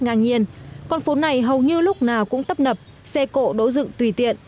ngang nhiên con phố này hầu như lúc nào cũng tấp nập xe cộ đỗ dựng tùy tiện